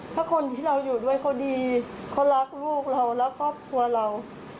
ถ้าคนที่เราอยู่ด้วยเขาดีเขารักลูกเรารักครอบครัวเรา